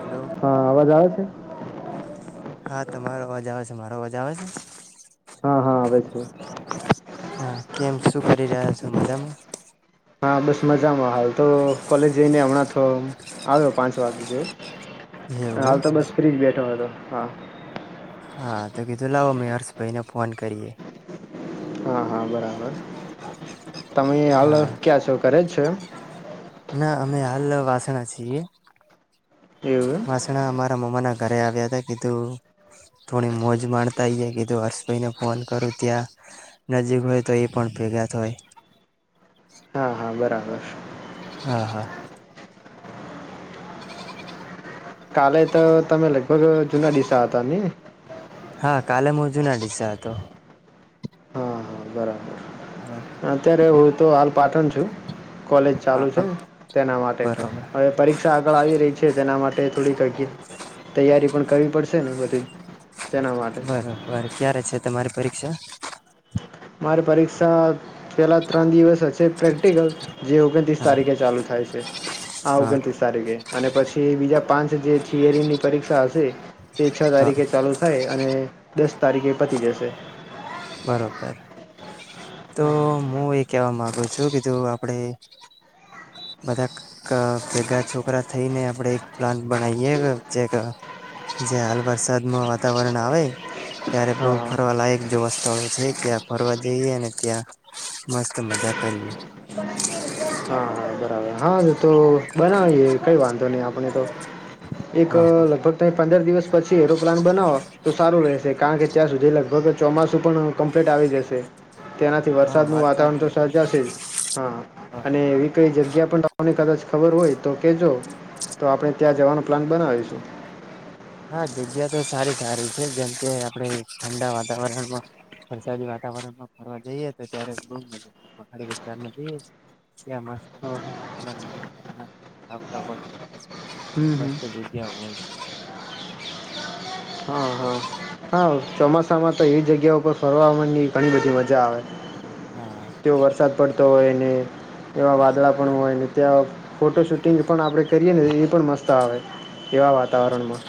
Hello હા અવાજ આવે છે હા તમારો અવાજ આવ મારો મજા આવે છે. હા હા આવે છે. હા કેમ શું કરી રહ્યા છો મજામાં. હા બસ મજામાં હાલ તો કોલેજ જઈને હમણાં તો આવ્યો પાંચ વાગે. એવું હાલ એમ તો બસ ફ્રીજ બેઠ [unintelligible] હા તો કીધું લાવો [unintelligible] હર્ષભાઈને ફોન કરીએ. હા હા બરાબર. તમે હાલ હા ક્યાં છો કરે જ [unintelligible] ના અમે હાલ વાસણા છીએ. એવું એમ વાસણા અમારા [unintelligible] ઘરે આવ્યા હતા કીધું થોડી મોજ માણતા જાય કીધું હર્ષભાઈને ફોન કરું ત્યાં નજીક હોય તો એ પણ ભેગા [unintelligible] હોય. હા હા બરાબર. હા હા. કાલે તો તમે લગભગ જુના દિસા હતા ને હા કાલે મોજુ ના દિસા હતો હા હા બરાબર હા અત્યારે હું તો હાલ પાઠ છું કોલેજ ચાલુ હા છે હા તેના માટે બરોબર હવે પરીક્ષા આગળ આવી રહી છે તેના માટે થોડીક તૈયારી પણ કરવી પડશે. શે ને બધી તેના માટે. બરોબર ક્યારે છે તમારી પરીક્ષા મારે પરીક્ષા પેલા ત્રણ દિવસ હશે પ્રેક્ટિકલ જે ઓગણત્રીસ હા તારીખે ચાલુ થાય છે હા ઓગણત્રીસ તારીખે અને પછી બીજા પાંચ જે થિયરીની પરીક્ષા હશે તે છ હા તારીખે ચાલુ થાય અને દસ તારીખે પતિ જશે બરોબર તો હા હું એ કેવા માંગુ છું કે જો આપડે બધા ભેગા છોકરા થઈને આપડે એક પ્લાન બનાવીએ જે જે હાલ વરસાદમાં વાતાવરણ આવે ત્યારે બહ હા હા ફરવા લાયક જેવા સ્થળો છે ત્યાં ફરવા જઈએ અને ત્યાં મસ્ત મજા કરીએ હા હા બરાબર તો બનાવીએ કઈ વાંધો નહી આપણે તો એક હા હા લગભગ ત પંદર દિવસ પછી એરોપ્લાન બનાવો તો સારું રહેશે કારણ કે ત્યાં સુધી લગભગ ચોમાસું પણ કમ્પ્લીટ આવી જશે તેનાથી હા વરસાદ ન વાત વાતાવરણ તો સાચી છે સર્જાશે હા હા અને એવી કઈ જગ્યા પણ કદાચ ખબર હોય તો કે જો તો આપણે ત્યાં જવાનો પ્લાન બનાવીશું હા જગ્યા તો સારી સારી છે જેમ કે આપણે ઠંડા વાતાવરણમાં વરસાદી વાતાવરણમાં ફરવા જઈએ તો ત્યારેાડી વિસ્તાર જએ ત્યાંત હા આવતા હોય હમ હમ મસ્ત જગ્યા આવ હોય છે હા હા હા ચોમાસામાં તો એવી જગ્યા ઉપ ફરવાની ઘણી બધી મજા આવે હા તે વરસાદ પડતો હોય એવા વાદળા પણ હોય ને ત્યાં ફોટો શૂટિંગ પણ આપણે કરીએ ને એ પણ મસ્ત આવે એવા વાતાવરણમાં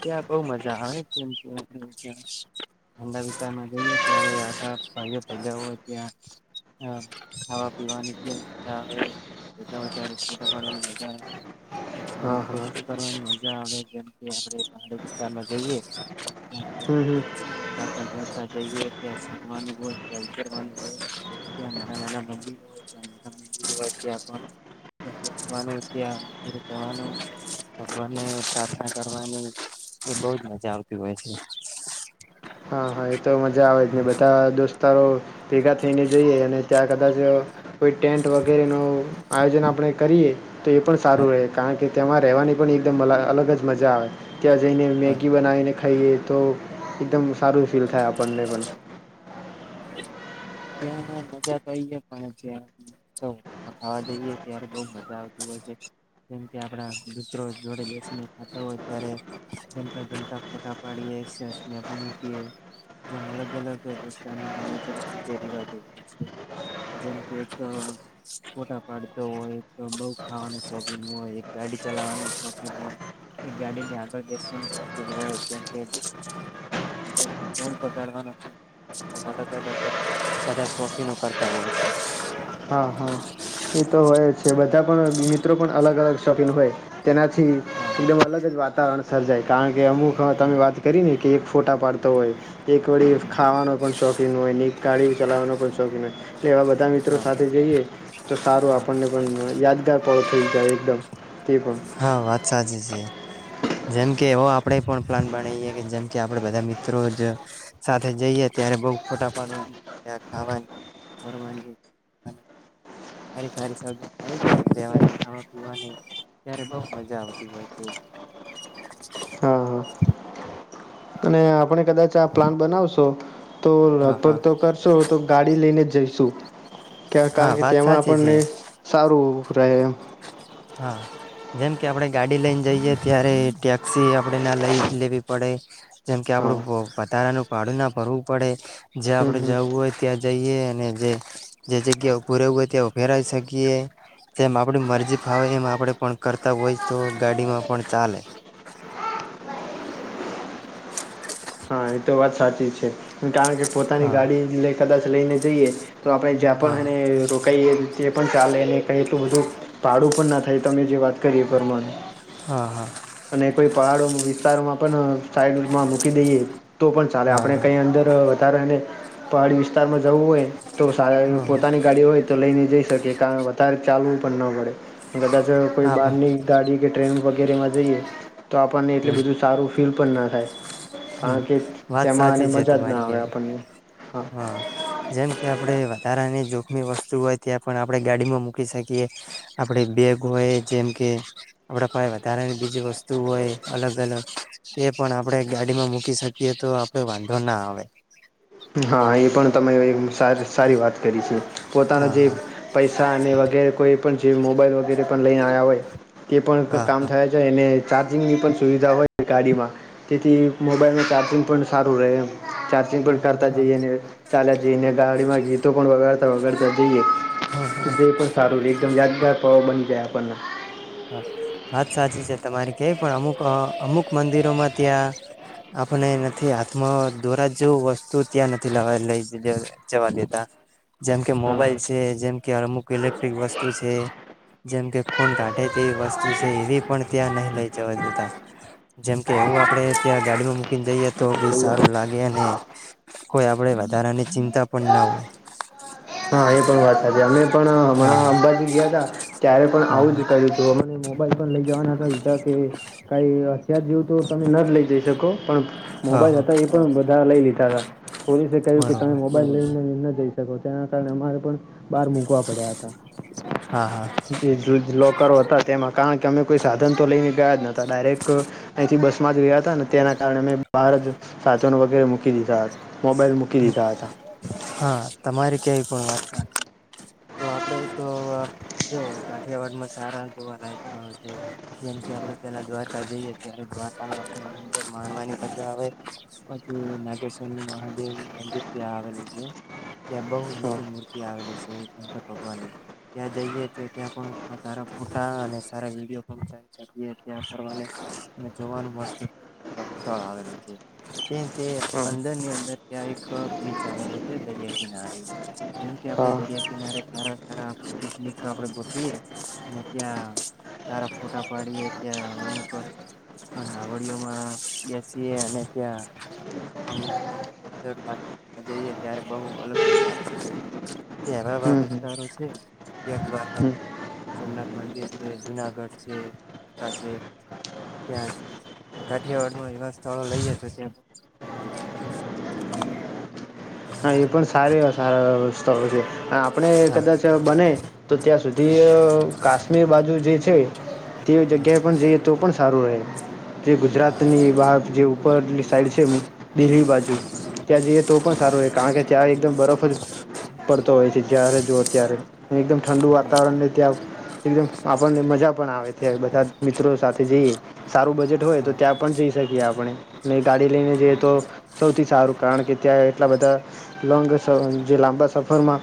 ત્યાં બહ મજા આવે કેમ ઠંડા વિસ્તારમાં જઈએ ત્યારે આખા ભાઈઓ ભેગા હો ત્યાં ખાવા પીવાનીા આવેા્યારેડવાનીજા આવે હા હા કરવાની જેમ કે આપણે પહાડી વિસ્તારમાં જઈએ હમ હમ ચાલતા જઈએ ત્યાંણવાનું હોય ત્યાં ઉતરવાનું હોય ત્યાં નાના નાના મંદિરો હોય ત્યાં મોટા મંદિરો હોય ત્યાં પણ્યાવાનું ત્યાં મંદિરે જવાનું ભગવાન પ્રાર્થના કરવાની એ બહજ મજા આવતી હોય છે હા હા એ તો મજા આવે ને બધા દોસ્તારો ભેગા થઈને જઈએ અને ત્યાં કદાચ કોઈ ટેન્ટ વગેરે ન આયોજન આપણે કરીએ તો એ પણ સારું રહે બરોબર કારણ કે તેમાં રહેવાની પણ એકદમ અલગ જ મજા આવે ત્યાં જઈને મેગી બનાવીને ખાઈએ તો એકદમ સારું ફીલ થાય આપણને પણ ત્યા મજા તોએ પણ ખાવા જઈએ ત્યારે બ મજા આવતી હોય છે જેમ કે આપડા દરો જોડે બેસીને ખાતા હોય ત્યારે જમતા જમતા ફોટા પાડીએ મકી જેમ અલગ અલગ અગલગ રવાજો હોય જેમ કે એક ફોટા પાડતો હોય એક બઉુ ખાવાનું શોખીન હોય એક ગાડી ચલાવાનું શોખીન હોય એક ગાડીને આગળ બેવાનું શોખીન હોયમ કેગાડવા અલગ અલગ કધા શોખીનો કરતા હોય છે હા હા એ તો હોય છે બધા પણ મિત્રો પણ અલગ અલગ શોપિન હોય તેનાથી હા એકદમ અલગ જ વાતાવરણ સરર્જાય કારણ કે અમુક હા તમે વાત કરીને કે એક ફોટા પાડતો હોય એક વી હા ખાવાનો પણ શોખીન હોય ને ગાડી ચલાવવાનો પણ શોખીન હોય લ એવા બધા મિત્રો હા સાથે જઈએ તો સારું હા. આપણને પણ યાદગાર પો થઈ જાય એકદમ તે પણ હા વાત સાા જ છે જેમકે એવો આપણેે પણ પ્લાન બનાવીએ કે જેમકે આપે બધા મિત્રો જ સાથે જઈએ ત્યારે બઉ ફોટા પાડવાની ખાવાની ફની સારી સારી સબ મળી જાય રહેેવાની ખાવા પીવાની ત્યારે બહ મજા આવતી હોય છે હા હા અને આપણે કદાચ આ પ્લાન બનાવશો તો હા લગભગ હા. તો કરશો તો ગાડી લઈને જઈશુ હા કારણ કે વાત તેમાં સાચી છે. આપણને સારું ખરા હા જેમ કે આપણે ગાડી લઈને જઈએ ત્યારે ટેક્સી આપણે ના લઈ લેવી પડે જેમ કે હા આપણું વધારાનું ભડું ના ભરવું પડે જ્યાં હમ આપણે હમ જવું હોય ત્યાં જઈએ અને જે જે જગ્યાભું રહેવું હોય ત્યાં ફેરાવી શકીએ જેમ આપણી મરજી ાવ એમ આપડે પણ કરતા હોય તો ગાડીમાં પણ ચાલે હા એ તો વાત સાચી છે કારણ કે પોતાની હા ગાડી લે કદાચ લઈને જઈએ તો આપણે જ્યાં પણ હા એને રોકાઈએ તે પણ ચાલે ને કઈ એટલું બધું ભાડું પણ ના થાય તમે જે વાત કરી હા હા પરમાનું અને કોઈ પહાડો વિસ્તારોમાં પણ સાઈડમાં મૂકી દઈએ તો પણ ચાલે હા હા આપણે કંઈ અંદર વધારે અને પહાડી વિસ્તારમાં જવું હોય તો સ હા પોતાની ગાડી હોય તો લઈને જઈ શકીએ કારણ વધારે ચાલવું પણ ન પડે ગદ કોઈ હા હા બહારની ગાડી કે ટ્રેન વગ ગરમ આ જરીએ તો આપણને એટલી બધું સારું ફીલ પણ ન થાય હમ્મ. કારણ કે વાત તેમાં અને સાચી છે મજા જ ના તમારી આવે કય આપણને હા જેમ કે આપડે વધારાની જોખમી વસ્તુ હોય ત્યાં પણ આપણે ગાડીમાં મૂકી શકીએ. આપણે બેગ હોય, જેમકે આપણા પાસે વધારાની બીજી વસ્તુ હોય, અલગ અલગ તે પણ આપણે ગાડીમાં મૂકી શકીએ તો આપડે વાંધો ના આવે. હા એ પણ તમે સારી સારી વાત કરી છે. પોતાના હા જે હા પૈસા અને વગેરે કોઈ પણ જે મોબાઈલ વગેરે પણ લઈને આવ્યા હોય તે પણ હા કામ હા થયા છે એને ચાર્જિંગની પણ સુવિધા હોય ગાડીમાં તેથી મોબાઈલનું ચાર્જિંગ પણ સારું રહે ચાર્જિંગ પણ કરતા હા જઈએને, ચાલ્યા જઈને, ગાડીમાં ગીતો પણ વગાડતા વગર તો હા હા જે પણ સારું છે એકદમ યાદગાર પવ બની. જ પણ હ વાત સાચી છે. તમારી કય પણ અમુક અમુક મંદિરોમાં ત્યાં આપણે નથી હાથમાં દોરા જેવું વસ્તુ ત્યાં નથી લ લઈ જવા દેતા. જેમ કે હા મોબાઈલ હા છે જેમ કે અમુક ઇલેક્ટ્રિક વસ્તુ છે જેમ કે ખોન કાઢ તેવી વસ્તુ છે એવી પણ ત્યાં નહી લઈ જવા દેતા. જેમકે એવું આપણે ત્યાં ગાડીમાં મૂકીને જઈએ તો બી સારું હા લાગે અને કોઈ આપણે વધારાની ચિંતા પણ ના હોય. આ છે જે અમે પણ હા હમણાં અંબાજી ગયા તા ત્યારે પણ હા હા આવું જ કર્યું હતું મોબાઈલ લઈ જવાના જ કે કઈ અથ્યાર જેવું તો તમે ન લઈ જઈ શકો પણ હા હા મોબાઈલ હા હતા એ પણ બધા લઇ લીધા. સરસ. પોલીસે કહ્યું કે તમે બરોબર મોબાઈલ લઈને ન જઈશ. સકોના કારણેરે પણ બહાર મૂકવા પડ્યા હતા. હા હા લોકર તેમાં કારણ કે અમે કોઈ સાધન તો લઈને ગયા જ નતા ડાયરેક્ટ અહીંથી બસમાં જ ગયા હતા ને તેના કારણે અમે બહાર જ સાધનો વગેરે મૂકી દીધા. મોબાઈલ મૂકી હ દીધા હતા હા તમારે ક્યાંય તો આપણેે તો જો કાઠિયાવાડમાં સારા જોવા લાયક છે. જેમ કે આપણે પેલા દ્વારકા જઈએ ત્યારે દ્વારકા ન આથંદર માણવાની મજા આવે પછી નાગેશ્વરની મહાદેવ મંદિર ત્યાં આવેલું છે. ત્યાં બહુ હા મોટી મૂર્તિ આવેલી છે, શંકર ભગવાનની ત્યાં જઈએ તો ત્યાં પણ સારા ફોટા અને સારા વિડીયો પણ શકીએ ત્યાં કરવા અને જોવાનું મસ્ત સ્થળ આવેલું છે. કેમ કે હા અંદરની અંદર ત્યાં એક બીચ આવેલો છે. દરિયા કિનારે જેમ કે આપણે હા દરિયા કિનારે સારા સારા પિકનિક આપડ ગોઠવીએ અને ત્યાં સારા ફોટા પાડીએ ત્યાં અમુક નાવડીયોમાં બેસીએ અને ત્યાં અમુક દ જઈએ ત્યારે બહુ અલગ મજા આવતી હોય છે. ત્યાં હમ એવા એવા હમ વિસ્તારો છે જે દ્વારકા હમ સોમનાથ મંદિર છે, જુનાગઢ છે, ત્યાં કાઠિયાવાડ ન એવા સ્થળો લઈએ તો ત્યાં જાય. હા એ પણ સારી સ્થળો છે. આપણે હા કદાચ બને તો ત્યાં સુધી હા કાશ્મીર બાજુ જે છે. તે હા હા જગ્યાએ પણ જઈએ તો પણ સારું રહે. જે હા હા ગુજરાતની બહાર જે ઉપરલી સાઈડ છે દિલ્લી બાજુ ત્યાં જઈએ તો પણ સારું કારણ કે ત્યારે એકદમ બરફ જ પડતો હોય છે જ્યારે જુઓ ત્યારે એકદમ ઠંડુ વાતાવરણને ત્યાં એકદમ આપણને મજા પણ આવે છે બધા મિત્રો સાથે જઈએ સારું બજેટ હોય તો હા ત્યાં પણ જઈ શકીએ આપ આપણે નહી ગાડી લઈને જઈએ હા તો સૌથી સારું કારણ કે ત્યાં એટલા બધા લોંગ જે લાંબા સફરમાં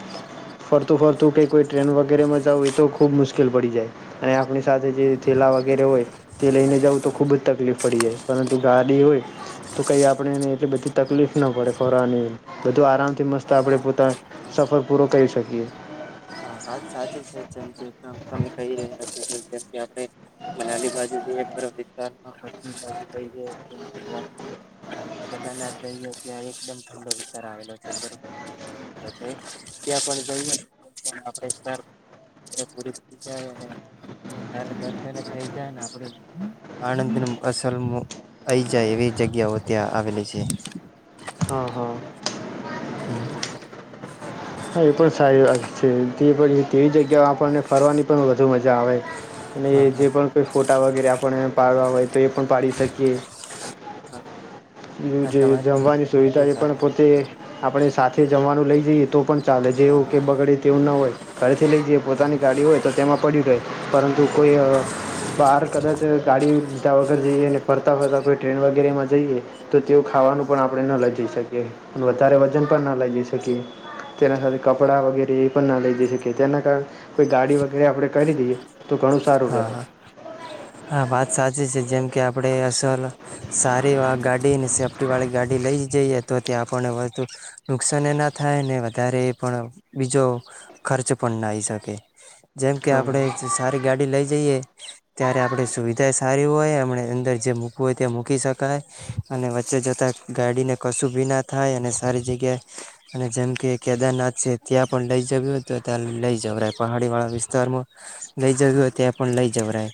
ફરતું ફરતું ક કોઈ ટ્રેન વગેરેમાં જવું હોય તો ખૂબ મુશ્કેલ પડી જાય અને આપણી સાથે જે હા થેલા વગેરે હોય તે લઈને જવું તો ખૂબ જ તકલીફ પડી જાય પરંતુ ગાડી હોય તો કંઈ આપણે એટલી બધી તકલીફ ના પડે ફરવાની તો આરામથી મસ્ત આપણે પોતા સફર પૂરો કરી શકીએ હા વાત સાચી છેમચદમ તમે કહી રહ્યા છો કે જેમ કે આપણે મનાલી બાજુ વિ કેદારનાથઈએ ત્યા એકદમ ઠંડો વિસ્તાર આવેલો છે આવે છે ત્યાં આપરીાય દર્દને થઈ જાયને આપ આનંદ અસર આઈ જાય એવી જગ્યાઓ ત્યાં આવેલી છે હા હા હમ હા એ પણ સારી વાત છે તે તેવી જગ્યા આપણને ફરવાની પણ વધુ મજા આવે અને હા જે હા પણ કોઈ ફોટા વગેરે પણ એ પાડવા હોય તો એ પણ પાડી શકીએ હા એવું ના તમારી કઈ વાત જમવાની સુવિધા બિલકુલ એ પણ સાચી પોતે આપણે સાથે જમવાનું લઈ જઈએ તો પણ ચાલે હા જેવું કે બગડે તેવું ના હોય ક થી લઈ જ હા હા પોતાનીાડી હોય તો તેમાં પડી રહે પરંતુ કોઈ બહાર કદાચ ગાડીીધા વગર જઈએ અને ફરતા ફરતા કોઈ ટ્રેન વગેરે માં જઈએ તો તેઓ ખાવાનું હા પણ હા આપણે ન લ જઈ શકીએ વધારે વજન પણ ના લઈ જઈ શકીએ તેના સાથે હા કપડાં વગેરે એ પણ ના લઈ જઈ શકીએ તેના કારણે કોઈ ગાડી વગેરે આપણે કરી દઈએ તો ઘણું સારું રહે હા હા હા વાત સાચી છે જેમ કે આપણે અસલ સારી ગાડીને સેફ્ટી વાળી ગાડી લઈ જઈએ તો ત્યાં આપણને વધુ નુકસાન એ ના થાય ને વધારે એ પણ બીજો ખર્ચ પણ ના આવી શકે જેમ કે હા હા આપડે સારી જઈએ ત્યારે આપણે સુવિધા સારી હોય એમને અંદર જે મૂકવું હોય તે્યા મૂકી શકાય અને વચ્ચે જતા ગાડીને કશું ભી ના થાય અને સારી જગ્યાએ અને જેમ કે કેદારનાથ છે ત્યાં પણ લઈ જવું હો તો ત્યાં લઈ જવરાય પહાડી વાળા વિસ્તારમાં લઈ જવું હોય ત્યાં પણ લઈ જવરાય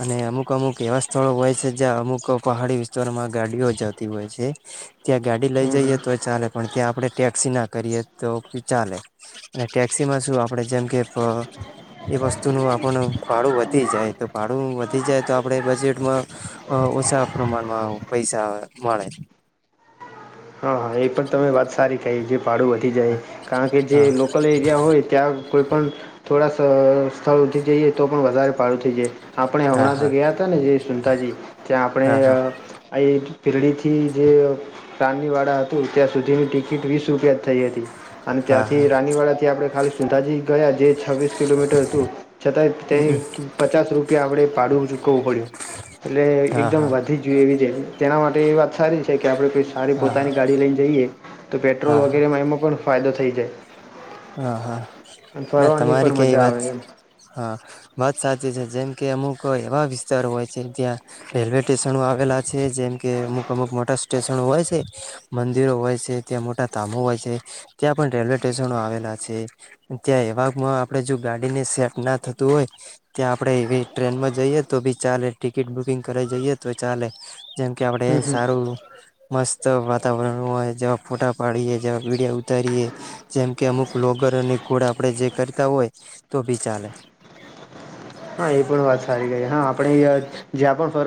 અને અમુક અમુક એવા સ્થળો હોય છે જ્યાં અમુક પહાડી વિસ્તારોમાં ગાડીઓ જતી હોય છે ત્યાં ગાડી લઈ હમ જઈએ હમ તો ચાલે પણ ત્યાં આપણે ટેક્સી ના કરીએ તો ચાલે અને ટેક્સીમાં શું આપણે જેમ કે એ વસ્તુનું પણ ભાડું વધી જાય તો ભાડું વધી જાય તો આપણે બજેટમાં ઓછા પ્રમાણમાં પૈસા મળે હા એ પણ તમે વાત સારી કહી ભાડું વધી જાય કારણ કે જે હા લોકલ એરિયા હોય ત્યાં કોઈ પણણ થોડા સ્થળી જઈએ તો પણ વધારે પડું થઈ જાય આપણે હા હમણાં તો હા ગયા હતા ને જે સુનતાજી ત્યાં આપણે હા હા એ પીરળીથી જે પ્રાણની વાળા તો ત્યાં સુધીની ટિકિટ વીસ રૂપિયા જ થઈ હતી અને હા ત્યાંથી હા રાનીવાડા થી આપણે ખાલી સુંંધાજી ગયા જે છવ્વીસ કિલોમીટર હતું છતાં તે હમ પચાસ રૂપિયા આપણે પાડવ ચૂકવવું પડ્યું એટલે હા હા એકદમ હા વધી જોય એવી તેના માટે એ વાત સારી છે આપણે કોઈ સારી હા હા પોતાની ગાડી લઈને જઈએ તો પેટ્રોલ હા વગેરેમાં એમાં પણ ફાયદો થાય થઈ જાય હા હા અને ના ફરવાની તમારી પણ ક મજા વાત આવે એમ હા વાત સાચ છે જેમકે અમુક એવા વિસ્તારો હોય છે જ્યાં રેલવે સ્ટેશનો આવેલા છે જેમકે અમુક અમુક મોટા સ્ટેશનો હોય છે મંદિરો હોય છે ત્યાં મોટા ધામો હોય છે ત્યાં પણ રેલવે સ્ટેશનો આવેલા ત્યાં એવા આપણે જો ગાડીને સેફ ના થતું હોય ત્યાં આપણે એ ટ્રેનમાં જઈએ તો બી ચાલે ટિકિટ બુકિંગ કરી જઈએ તો ચાલે જેમ કે હમ આપડ હમ સારું મસ્ત વાતાવરણ હોય જેવા ફોટા પાડીએ જેવા વિીડીયો ઉતારીએ જેમ કે અમુક ગ્લોગર અને ગૂળ આપણે જે કરતા હોય તો બી ચાલે હા એ પણ વાત સારી ગઈ હા આપણે જ્યાં પણ ફ